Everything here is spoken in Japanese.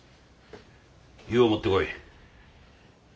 湯を持ってこい。